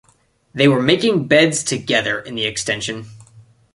They were making beds together in the extension.